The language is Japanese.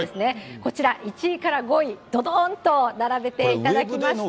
こちら、１位から５位、どどーんと並べていただきました。